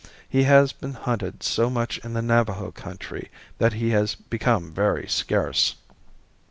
He has been hunted so much in the Navajo country that he has become very scarce.